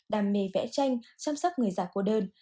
đam mê vẽ tranh chăm sóc người già cô đơn